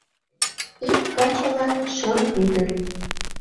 Ик качылан — шым ӱдыр.